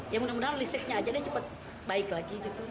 ya mudah mudahan listriknya aja deh cepet baik lagi gitu